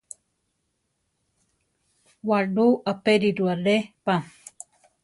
Waʼlú apériru alé pa.